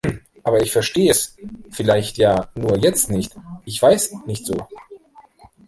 Aber ich versteh es vielleicht ja nur jetzt nicht, ich weiß nicht so.